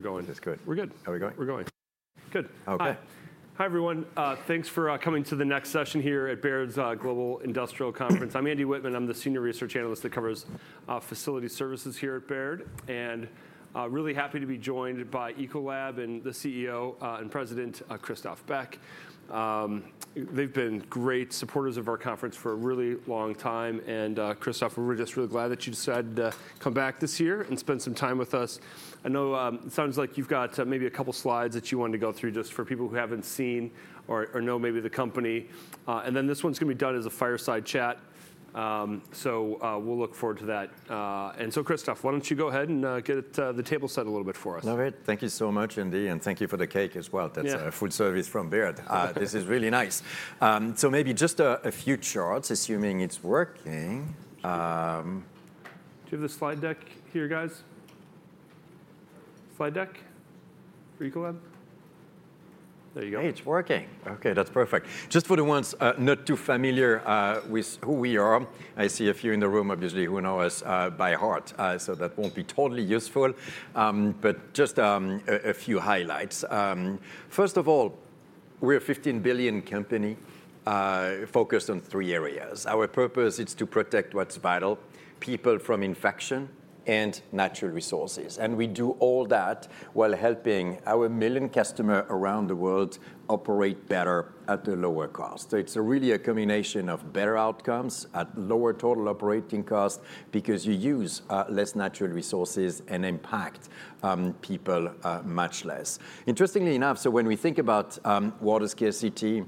Going? It's good. We're good. How are we going? We're going. Good. Okay. Hi, everyone. Thanks for coming to the next session here at Baird's Global Industrial Conference. I'm Andy Whitman. I'm the senior research analyst that covers facility services here at Baird. And I'm really happy to be joined by Ecolab and the CEO and President, Christophe Beck. They've been great supporters of our conference for a really long time. And, Christophe, we're just really glad that you decided to come back this year and spend some time with us. I know it sounds like you've got maybe a couple of slides that you wanted to go through just for people who haven't seen or know maybe the company. And then this one's going to be done as a fireside chat. So we'll look forward to that. And so, Christophe, why don't you go ahead and get the table set a little bit for us? All right. Thank you so much, Andy, and thank you for the cake as well. That's a full service from Baird. This is really nice, so maybe just a few charts, assuming it's working. Do you have the slide deck here, guys? Slide deck for Ecolab? There you go. Hey, it's working. Okay, that's perfect. Just for the ones not too familiar with who we are, I see a few in the room, obviously, who know us by heart. So that won't be totally useful. But just a few highlights. First of all, we're a $15 billion company focused on three areas. Our purpose is to protect what's vital: people from infection and natural resources. And we do all that while helping our 1 million customers around the world operate better at a lower cost. It's really a combination of better outcomes at lower total operating cost because you use less natural resources and impact people much less. Interestingly enough, so when we think about water scarcity,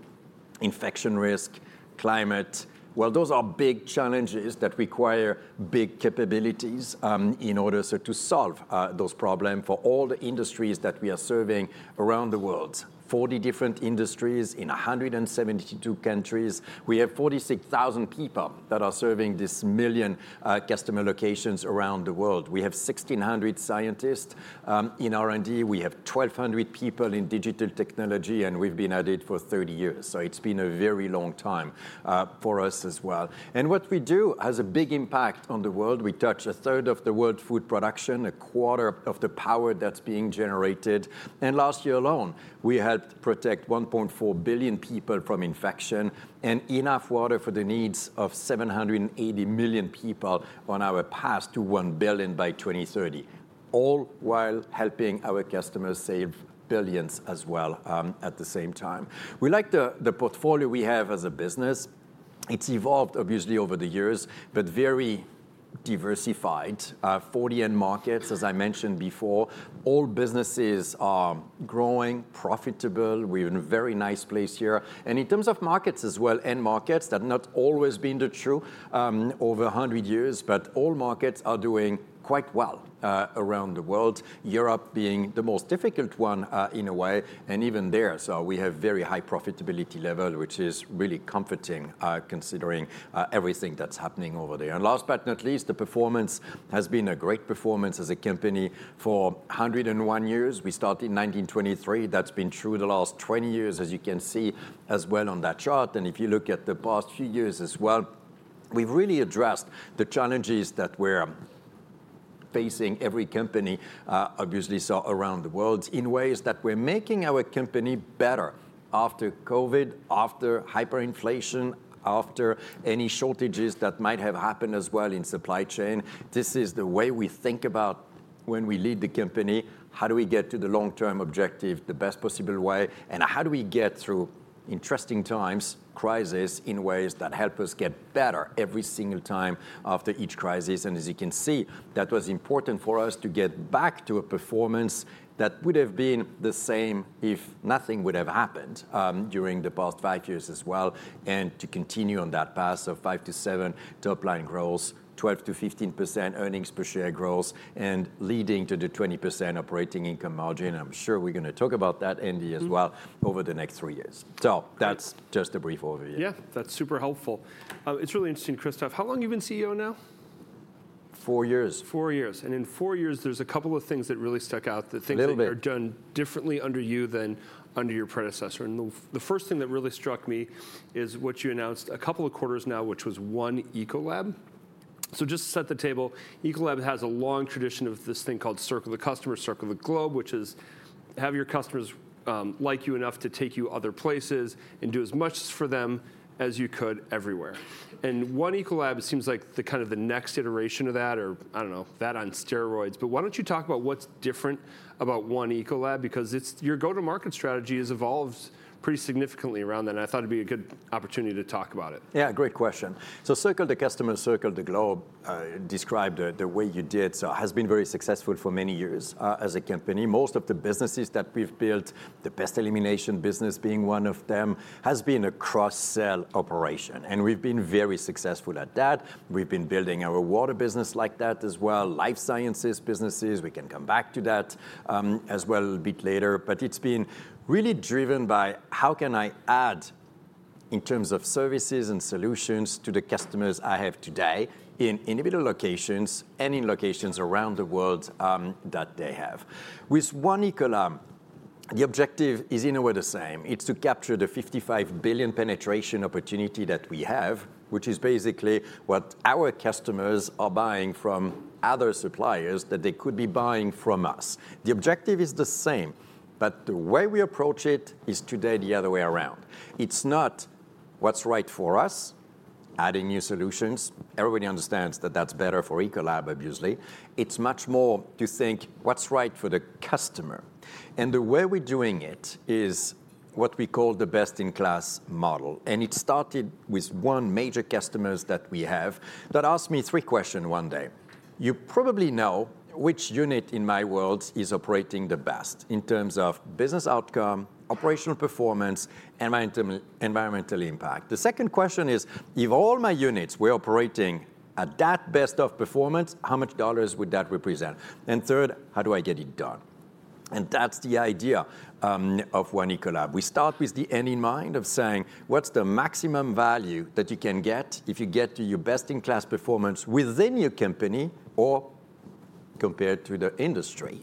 infection risk, climate, well, those are big challenges that require big capabilities in order to solve those problems for all the industries that we are serving around the world. 40 different industries in 172 countries. We have 46,000 people that are serving these million customer locations around the world. We have 1,600 scientists in R&D. We have 1,200 people in digital technology, and we've been at it for 30 years, so it's been a very long time for us as well, and what we do has a big impact on the world. We touch a third of the world's food production, a quarter of the power that's being generated, and last year alone, we helped protect 1.4 billion people from infection and enough water for the needs of 780 million people on our path to 1 billion by 2030, all while helping our customers save billions as well at the same time. We like the portfolio we have as a business. It's evolved, obviously, over the years, but very diversified: 40 end markets, as I mentioned before. All businesses are growing, profitable. We're in a very nice place here. And in terms of markets as well, end markets that have not always been the true over 100 years, but all markets are doing quite well around the world, Europe being the most difficult one in a way. And even there, so we have a very high profitability level, which is really comforting considering everything that's happening over there. And last but not least, the performance has been a great performance as a company for 101 years. We started in 1923. That's been true the last 20 years, as you can see as well on that chart. And if you look at the past few years as well, we've really addressed the challenges that we're facing every company, obviously, so around the world in ways that we're making our company better after COVID, after hyperinflation, after any shortages that might have happened as well in supply chain. This is the way we think about when we lead the company: how do we get to the long-term objectives the best possible way? And how do we get through interesting times, crises, in ways that help us get better every single time after each crisis? And as you can see, that was important for us to get back to a performance that would have been the same if nothing would have happened during the past five years as well, and to continue on that path of 5%-7% top-line growth, 12%-15% earnings per share growth, and leading to the 20% operating income margin. And I'm sure we're going to talk about that, Andy, as well over the next three years. So that's just a brief overview. Yeah, that's super helpful. It's really interesting, Christophe. How long have you been CEO now? Four years. Four years. And in four years, there's a couple of things that really stuck out that things that are done differently under you than under your predecessor. And the first thing that really struck me is what you announced a couple of quarters now, which was One Ecolab. So just to set the table, Ecolab has a long tradition of this thing called Circle the Customer, Circle the Globe, which is have your customers like you enough to take you other places and do as much for them as you could everywhere. And One Ecolab seems like the kind of the next iteration of that, or I don't know, that on steroids. But why don't you talk about what's different about One Ecolab? Because your go-to-market strategy has evolved pretty significantly around that. And I thought it'd be a good opportunity to talk about it. Yeah, great question, so Circle the Customer, Circle the Globe, described the way you did, so has been very successful for many years as a company. Most of the businesses that we've built, the Pest Elimination business being one of them, has been a cross-sell operation, and we've been very successful at that. We've been building our Water business like that as well, Life Sciences businesses. We can come back to that as well a bit later, but it's been really driven by how can I add, in terms of services and solutions, to the customers I have today in individual locations and in locations around the world that they have. With One Ecolab, the objective is in a way the same. It's to capture the $55 billion penetration opportunity that we have, which is basically what our customers are buying from other suppliers that they could be buying from us. The objective is the same, but the way we approach it is today the other way around. It's not what's right for us, adding new solutions. Everybody understands that that's better for Ecolab, obviously. It's much more to think what's right for the customer, and the way we're doing it is what we call the best-in-class model, and it started with one major customer that we have that asked me three questions one day. You probably know which unit in my world is operating the best in terms of business outcome, operational performance, and environmental impact. The second question is, if all my units were operating at that best of performance, how much dollars would that represent? And third, how do I get it done? And that's the idea of One Ecolab. We start with the end in mind of saying, what's the maximum value that you can get if you get to your best-in-class performance within your company or compared to the industry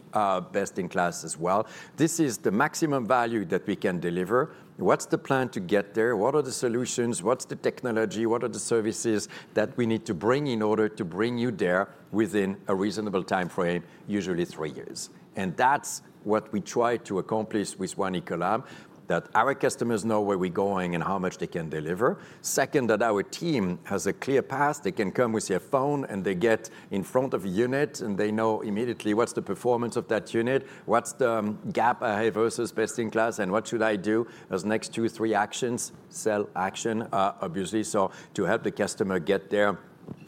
best-in-class as well? This is the maximum value that we can deliver. What's the plan to get there? What are the solutions? What's the technology? What are the services that we need to bring in order to bring you there within a reasonable time frame, usually three years? And that's what we try to accomplish with One Ecolab, that our customers know where we're going and how much they can deliver. Second, that our team has a clear path. They can come with their phone, and they get in front of a unit, and they know immediately what's the performance of that unit, what's the gap I have versus best-in-class, and what should I do as next two, three actions, sell action, obviously, so to help the customer get there,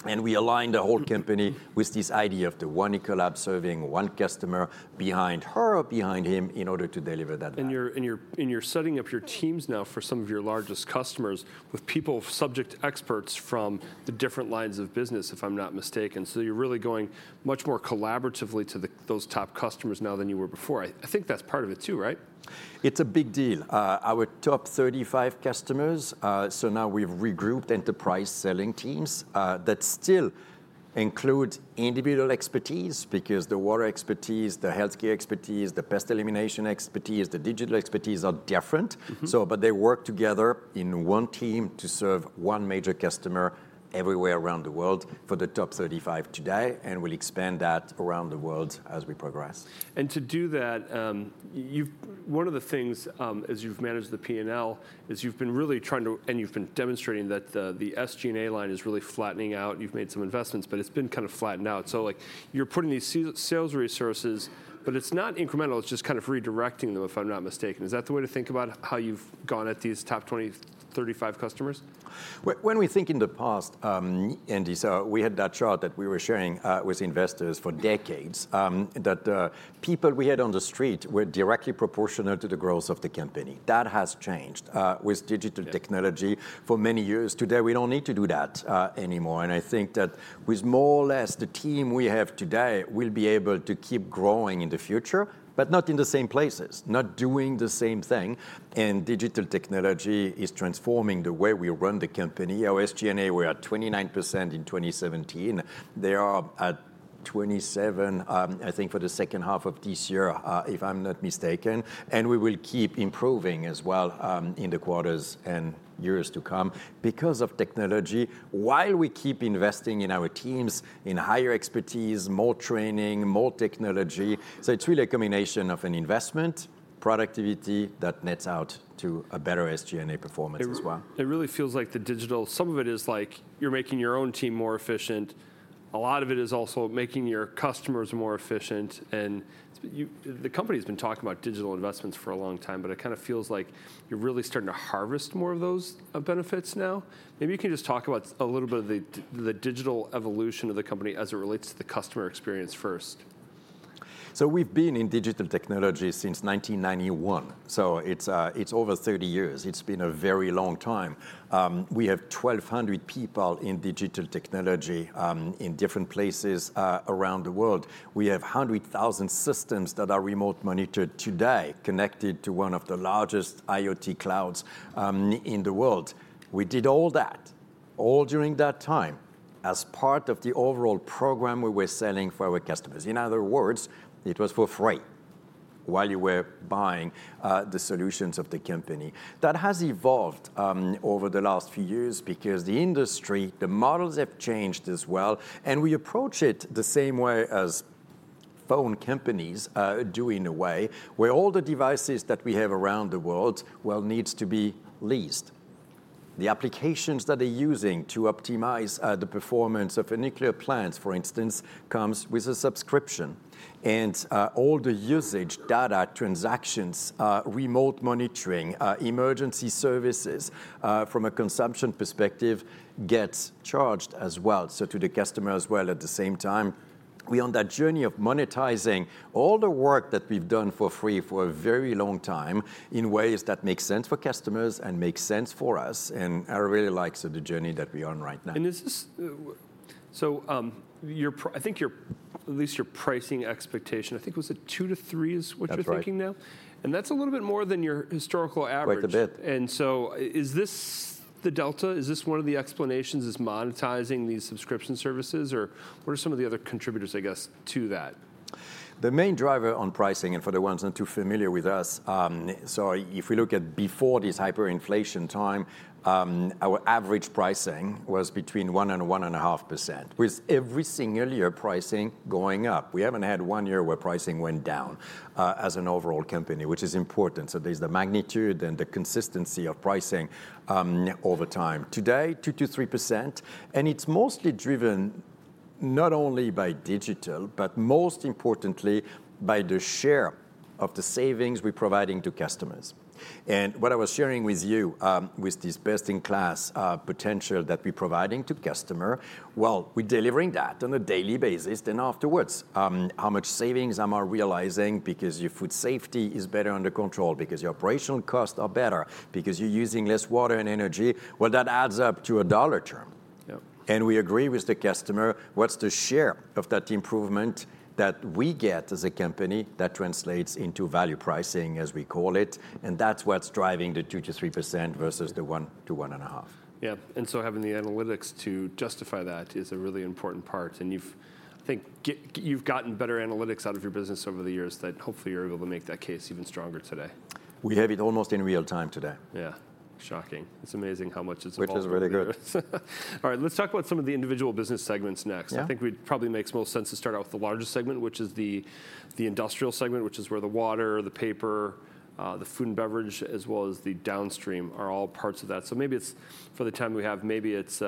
and we align the whole company with this idea of the One Ecolab serving one customer behind her or behind him in order to deliver that value. You're setting up your teams now for some of your largest customers with people, subject experts from the different lines of business, if I'm not mistaken. So you're really going much more collaboratively to those top customers now than you were before. I think that's part of it too, right? It's a big deal. Our top 35 customers, so now we've regrouped enterprise selling teams that still include individual expertise because the Water expertise, the Healthcare expertise, the Pest Elimination expertise, the digital expertise are different, but they work together in one team to serve one major customer everywhere around the world for the top 35 today, and we'll expand that around the world as we progress. To do that, one of the things, as you've managed the P&L, is you've been really trying to, and you've been demonstrating that the SG&A line is really flattening out. You've made some investments, but it's been kind of flattened out. So you're putting these sales resources, but it's not incremental. It's just kind of redirecting them, if I'm not mistaken. Is that the way to think about how you've gone at these top 20-35 customers? When we think in the past, Andy, so we had that chart that we were sharing with investors for decades, that people we had on the street were directly proportional to the growth of the company. That has changed with digital technology for many years. Today, we don't need to do that anymore. And I think that with more or less the team we have today, we'll be able to keep growing in the future, but not in the same places, not doing the same thing. And digital technology is transforming the way we run the company. Our SG&A, we are at 29% in 2017. They are at 27%, I think, for the second half of this year, if I'm not mistaken. And we will keep improving as well in the quarters and years to come because of technology, while we keep investing in our teams, in higher expertise, more training, more technology. So it's really a combination of an investment, productivity that nets out to a better SG&A performance as well. It really feels like the digital, some of it is like you're making your own team more efficient. A lot of it is also making your customers more efficient. And the company has been talking about digital investments for a long time, but it kind of feels like you're really starting to harvest more of those benefits now. Maybe you can just talk about a little bit of the digital evolution of the company as it relates to the customer experience first. So we've been in digital technology since 1991. So it's over 30 years. It's been a very long time. We have 1,200 people in digital technology in different places around the world. We have 100,000 systems that are remotely monitored today, connected to one of the largest IoT clouds in the world. We did all that, all during that time, as part of the overall program we were selling for our customers. In other words, it was for free while you were buying the solutions of the company. That has evolved over the last few years because the industry, the models have changed as well. And we approach it the same way as phone companies do in a way, where all the devices that we have around the world, well, needs to be leased. The applications that they're using to optimize the performance of a nuclear plant, for instance, come with a subscription, and all the usage data, transactions, remote monitoring, emergency services from a consumption perspective get charged as well, so to the customer as well at the same time. We're on that journey of monetizing all the work that we've done for free for a very long time in ways that make sense for customers and make sense for us, and I really like the journey that we're on right now. Is this so? I think at least your pricing expectation. I think it was a 2-3 is what you're thinking now? That's right. That's a little bit more than your historical average. Quite a bit. Is this the delta? Is this one of the explanations is monetizing these subscription services? Or what are some of the other contributors, I guess, to that? The main driver on pricing, and for the ones not too familiar with us, so if we look at before this hyperinflation time, our average pricing was between 1% and 1.5%, with every single year pricing going up. We haven't had one year where pricing went down as an overall company, which is important. So there's the magnitude and the consistency of pricing over time. Today, 2% to 3%. And it's mostly driven not only by digital, but most importantly, by the share of the savings we're providing to customers. And what I was sharing with you with this best-in-class potential that we're providing to customers, well, we're delivering that on a daily basis. Then afterwards, how much savings am I realizing? Because your food safety is better under control because your operational costs are better, because you're using less water and energy. That adds up to a dollar term. We agree with the customer what's the share of that improvement that we get as a company that translates into value pricing, as we call it. That's what's driving the 2%-3% versus the 1%-1.5%. Yeah. And so having the analytics to justify that is a really important part. And I think you've gotten better analytics out of your business over the years that hopefully you're able to make that case even stronger today. We have it almost in real time today. Yeah. Shocking. It's amazing how much it's evolved. Which is really good. All right. Let's talk about some of the individual business segments next. I think we'd probably make some more sense to start out with the largest segment, which is the Industrial segment, which is where the Water, the Paper, the Food and Beverage, as well as the Downstream are all parts of that. So maybe it's for the time we have, maybe it's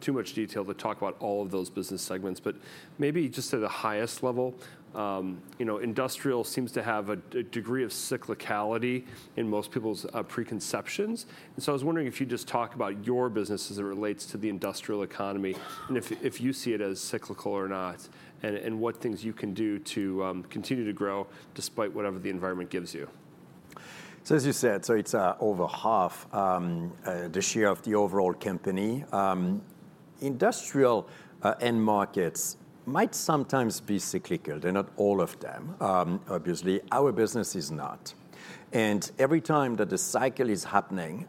too much detail to talk about all of those business segments. But maybe just at a highest level, industrial seems to have a degree of cyclicality in most people's preconceptions. And so I was wondering if you'd just talk about your business as it relates to the industrial economy, and if you see it as cyclical or not, and what things you can do to continue to grow despite whatever the environment gives you? As you said, so it's over half the share of the overall company. Industrial end markets might sometimes be cyclical. They're not all of them, obviously. Our business is not. And every time that the cycle is happening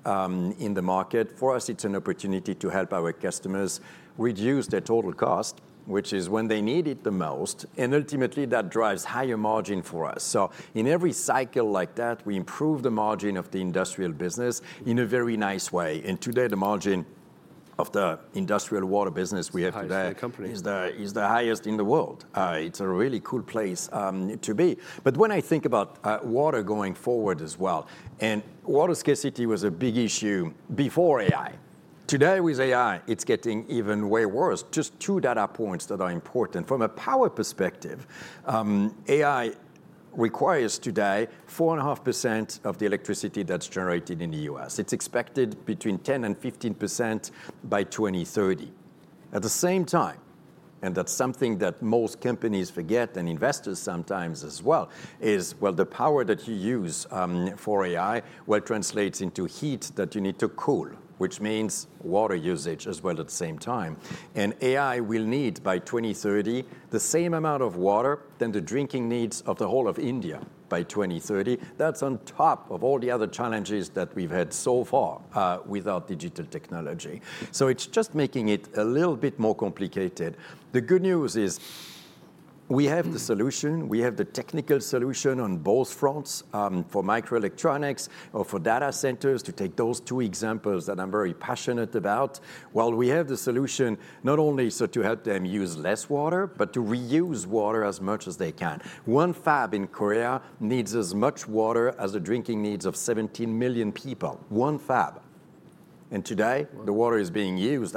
in the market, for us, it's an opportunity to help our customers reduce their total cost, which is when they need it the most. And ultimately, that drives higher margin for us. So in every cycle like that, we improve the margin of the Industrial business in a very nice way. And today, the margin of the Industrial Water business we have today is the highest in the world. It's a really cool place to be. But when I think about water going forward as well, and water scarcity was a big issue before AI. Today, with AI, it's getting even way worse. Just two data points that are important. From a power perspective, AI requires today 4.5% of the electricity that's generated in the U.S. It's expected between 10% and 15% by 2030. At the same time, and that's something that most companies forget and investors sometimes as well, is, well, the power that you use for AI, well, translates into heat that you need to cool, which means water usage as well at the same time, and AI will need by 2030 the same amount of water than the drinking needs of the whole of India by 2030. That's on top of all the other challenges that we've had so far without digital technology, so it's just making it a little bit more complicated. The good news is we have the solution. We have the technical solution on both fronts for microelectronics or for data centers to take those two examples that I'm very passionate about. We have the solution not only to help them use less water, but to reuse water as much as they can. One fab in Korea needs as much water as the drinking needs of 17 million people, one fab. Today, the water is being used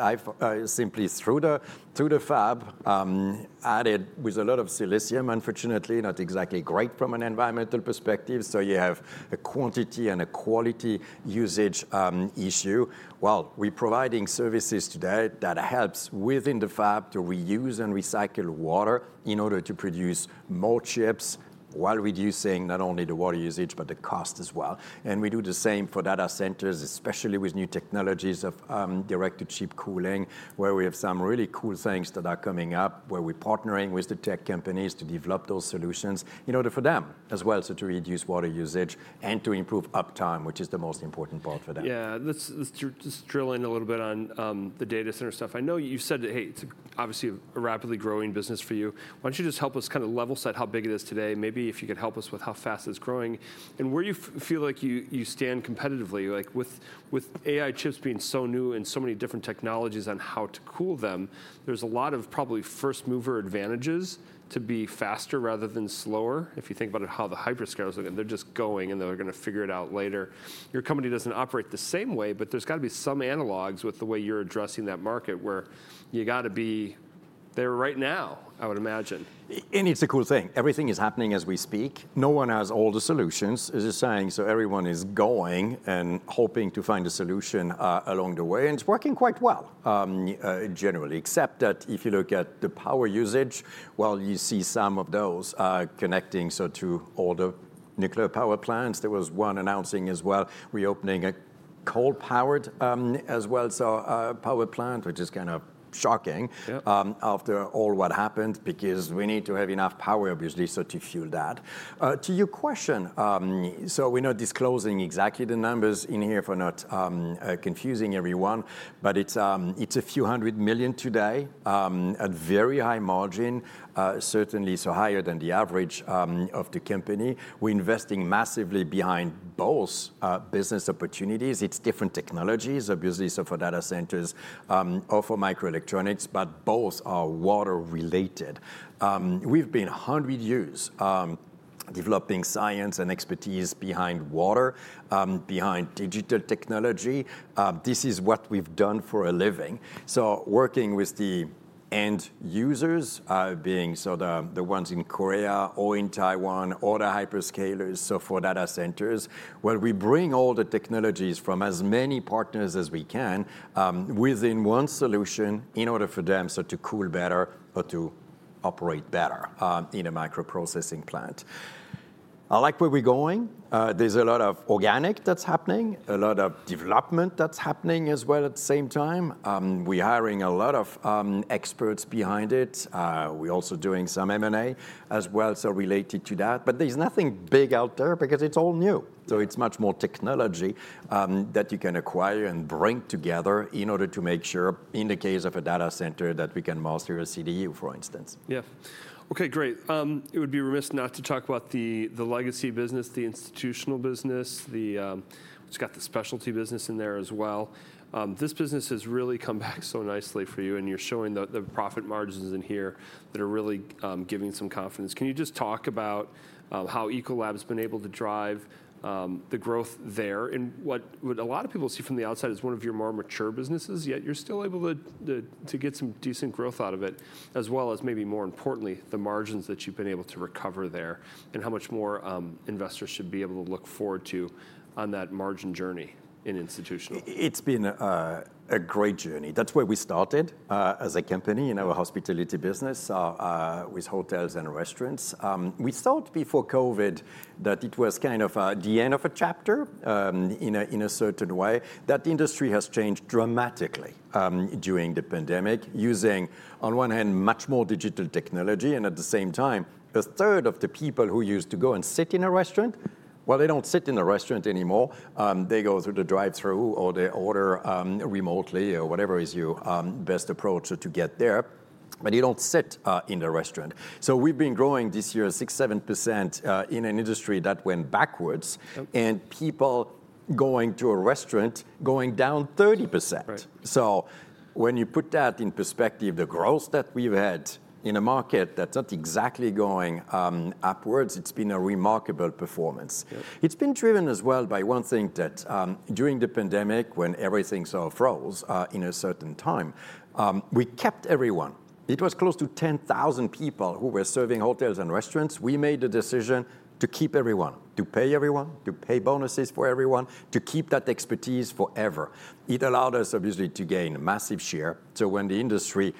simply through the fab, added with a lot of silicon, unfortunately, not exactly great from an environmental perspective. You have a quantity and a quality usage issue. We're providing services today that help within the fab to reuse and recycle water in order to produce more chips while reducing not only the water usage, but the cost as well. We do the same for data centers, especially with new technologies of direct-to-chip cooling, where we have some really cool things that are coming up, where we're partnering with the tech companies to develop those solutions in order for them as well to reduce water usage and to improve uptime, which is the most important part for them. Yeah. Let's just drill in a little bit on the data center stuff. I know you said that, hey, it's obviously a rapidly growing business for you. Why don't you just help us kind of level set how big it is today, maybe if you could help us with how fast it's growing and where you feel like you stand competitively? With AI chips being so new and so many different technologies on how to cool them, there's a lot of probably first mover advantages to be faster rather than slower. If you think about how the hyperscalers are looking, they're just going, and they're going to figure it out later. Your company doesn't operate the same way, but there's got to be some analogs with the way you're addressing that market where you got to be there right now, I would imagine. It's a cool thing. Everything is happening as we speak. No one has all the solutions, as you're saying. Everyone is going and hoping to find a solution along the way. It's working quite well generally, except that if you look at the power usage, well, you see some of those connecting to all the nuclear power plants. There was one announcing as well, reopening a coal-powered power plant, which is kind of shocking after all what happened because we need to have enough power, obviously, to fuel that. To your question, we're not disclosing exactly the numbers in here for not confusing everyone, but it's a few hundred million today at very high margin, certainly so higher than the average of the company. We're investing massively behind both business opportunities. It's different technologies, obviously, so for data centers or for microelectronics, but both are water-related. We've been 100 years developing science and expertise behind water, behind digital technology. This is what we've done for a living. So working with the end users, being so the ones in Korea or in Taiwan or the hyperscalers for data centers, well, we bring all the technologies from as many partners as we can within one solution in order for them to cool better or to operate better in a microprocessing plant. I like where we're going. There's a lot of organic that's happening, a lot of development that's happening as well at the same time. We're hiring a lot of experts behind it. We're also doing some M&A as well related to that. But there's nothing big out there because it's all new. It's much more technology that you can acquire and bring together in order to make sure, in the case of a data center, that we can master a CDU, for instance. Yeah. OK, great. It would be remiss not to talk about the legacy business, the Institutional business. It's got the Specialty business in there as well. This business has really come back so nicely for you, and you're showing the profit margins in here that are really giving some confidence. Can you just talk about how Ecolab has been able to drive the growth there? And what a lot of people see from the outside is one of your more mature businesses, yet you're still able to get some decent growth out of it, as well as maybe more importantly, the margins that you've been able to recover there and how much more investors should be able to look forward to on that margin journey in Institutional? It's been a great journey. That's where we started as a company in our hospitality business with hotels and restaurants. We thought before COVID that it was kind of the end of a chapter in a certain way. That industry has changed dramatically during the pandemic, using, on one hand, much more digital technology, and at the same time, a third of the people who used to go and sit in a restaurant, well, they don't sit in a restaurant anymore. They go through the drive-through or they order remotely or whatever is your best approach to get there, but you don't sit in a restaurant, so we've been growing this year 6%-7% in an industry that went backwards and people going to a restaurant going down 30%. So when you put that in perspective, the growth that we've had in a market that's not exactly going upwards, it's been a remarkable performance. It's been driven as well by one thing that during the pandemic, when everything sort of froze in a certain time, we kept everyone. It was close to 10,000 people who were serving hotels and restaurants. We made the decision to keep everyone, to pay everyone, to pay bonuses for everyone, to keep that expertise forever. It allowed us, obviously, to gain a massive share. So when the industry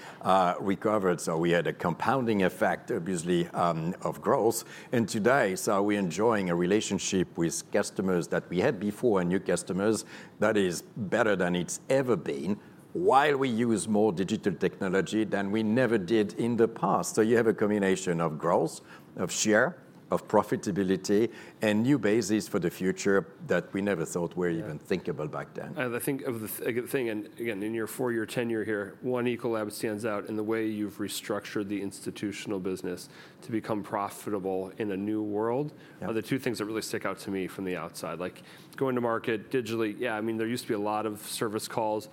recovered, so we had a compounding effect, obviously, of growth. And today, so we're enjoying a relationship with customers that we had before and new customers that is better than it's ever been while we use more digital technology than we never did in the past. You have a combination of growth, of share, of profitability, and new bases for the future that we never thought were even thinkable back then. And I think of the thing, and again, in your four-year, ten-year here, One Ecolab stands out in the way you've restructured the Institutional business to become profitable in a new world. The two things that really stick out to me from the outside, like going to market digitally, yeah, I mean, there used to be a lot of service calls,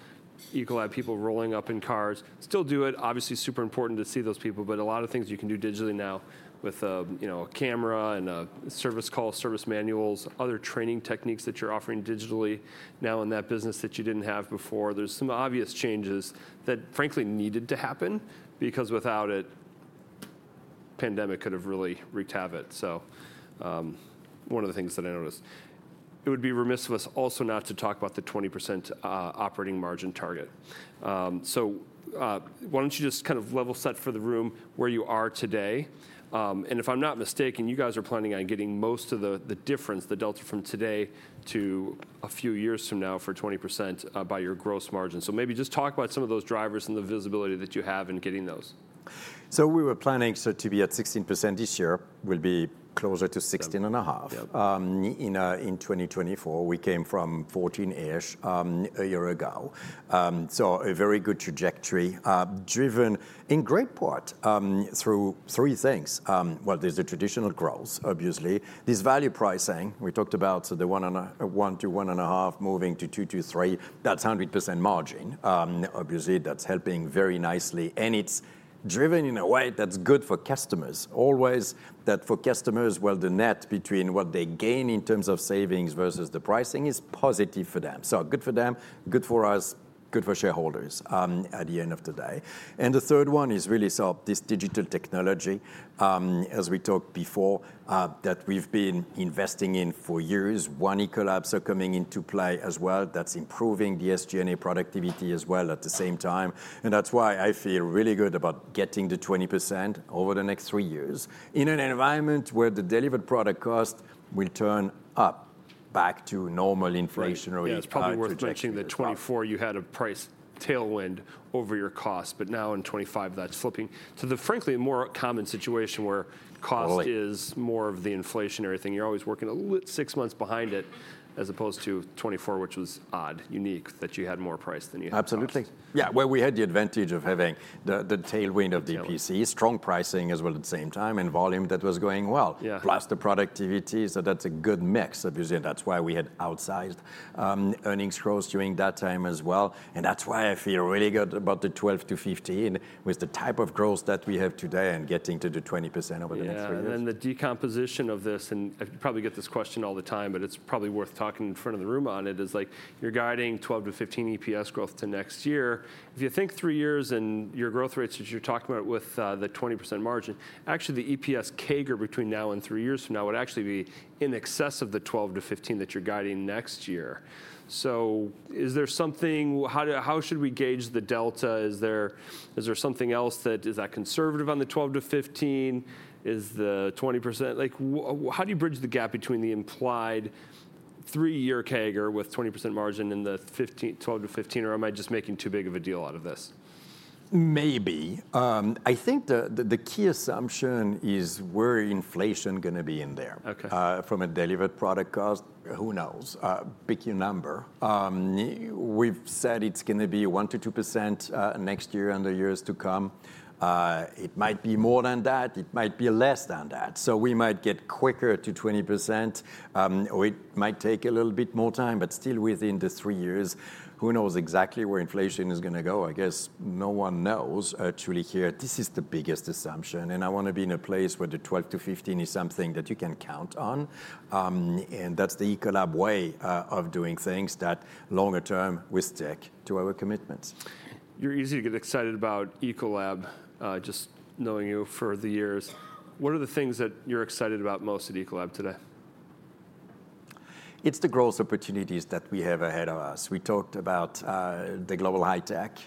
Ecolab people rolling up in cars. Still do it. Obviously, super important to see those people. But a lot of things you can do digitally now with a camera and a service call, service manuals, other training techniques that you're offering digitally now in that business that you didn't have before. There's some obvious changes that frankly needed to happen because without it, the pandemic could have really wreaked havoc. So one of the things that I noticed, it would be remiss of us also not to talk about the 20% operating margin target. So why don't you just kind of level set for the room where you are today? And if I'm not mistaken, you guys are planning on getting most of the difference, the delta from today to a few years from now for 20% by your gross margin. So maybe just talk about some of those drivers and the visibility that you have in getting those. We were planning to be at 16% this year. We'll be closer to 16.5% in 2024. We came from 14-ish% a year ago. A very good trajectory driven in great part through three things. There's the traditional growth, obviously. There's value pricing. We talked about the 1%-1.5% moving to 2%-3%. That's 100% margin. Obviously, that's helping very nicely. And it's driven in a way that's good for customers. Always that for customers, well, the net between what they gain in terms of savings versus the pricing is positive for them. Good for them, good for us, good for shareholders at the end of the day. And the third one is really this digital technology, as we talked before, that we've been investing in for years. One Ecolab are coming into play as well. That's improving the SG&A productivity as well at the same time. And that's why I feel really good about getting the 20% over the next three years in an environment where the delivered product cost will turn up back to normal inflationary expectations. Yeah. You probably were projecting that 2024 you had a price tailwind over your costs, but now in 2025 that's flipping to the frankly more common situation where cost is more of the inflationary thing. You're always working six months behind it as opposed to 2024, which was odd, unique that you had more price than you had. Absolutely. Yeah. Well, we had the advantage of having the tailwind of the DPC, strong pricing as well at the same time, and volume that was going well, plus the productivity. So that's a good mix, obviously. And that's why we had outsized earnings growth during that time as well. And that's why I feel really good about the 12%-15% with the type of growth that we have today and getting to the 20% over the next three years. Yeah. And the decomposition of this, and you probably get this question all the time, but it's probably worth talking in front of the room on it, is like you're guiding 12%-15% EPS growth to next year. If you think three years and your growth rates that you're talking about with the 20% margin, actually the EPS CAGR between now and three years from now would actually be in excess of the 12%-15% that you're guiding next year. So is there something how should we gauge the delta? Is there something else that is that conservative on the 12%-15%? Is the 20% like how do you bridge the gap between the implied three-year CAGR with 20% margin and the 12%-15%? Or am I just making too big of a deal out of this? Maybe. I think the key assumption is where inflation is going to be in there from a delivered product cost. Who knows? Pick your number. We've said it's going to be 1%-2% next year and the years to come. It might be more than that. It might be less than that. So we might get quicker to 20%. It might take a little bit more time, but still within the three years, who knows exactly where inflation is going to go? I guess no one knows actually here. This is the biggest assumption, and I want to be in a place where the 12%-15% is something that you can count on, and that's the Ecolab way of doing things that longer term we stick to our commitments. You're easy to get excited about Ecolab, just knowing you for the years. What are the things that you're excited about most at Ecolab today? It's the growth opportunities that we have ahead of us. We talked about the Global High Tech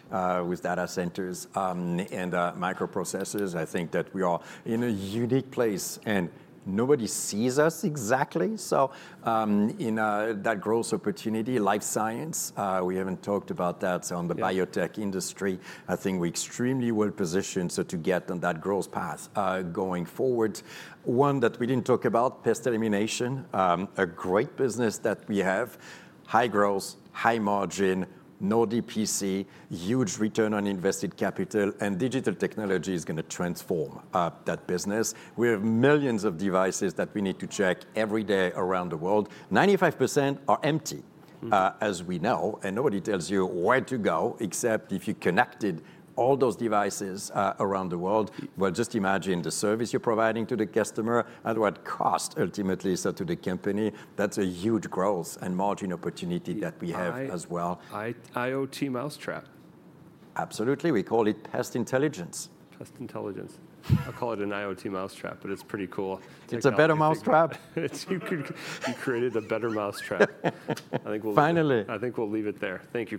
with data centers and microprocessors. I think that we are in a unique place, and nobody sees us exactly. So in that growth opportunity, Life Sciences, we haven't talked about that, so on the biotech industry, I think we're extremely well positioned to get on that growth path going forward. One that we didn't talk about, Pest Elimination, a great business that we have, high growth, high margin, no DPC, huge return on invested capital, and digital technology is going to transform that business. We have millions of devices that we need to check every day around the world. 95% are empty, as we know, and nobody tells you where to go except if you connected all those devices around the world, well, just imagine the service you're providing to the customer. What cost ultimately to the company, that's a huge growth and margin opportunity that we have as well. IoT mousetrap. Absolutely. We call it Pest Intelligence. Pest Intelligence. I call it an IoT mousetrap, but it's pretty cool. It's a better mousetrap. You created a better mousetrap. Finally. I think we'll leave it there. Thank you.